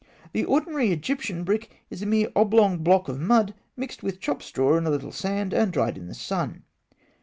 The ordinary Egyptian brick is a mere oblong block of mud mixed with chopped straw and a little sand, and dried in the sun.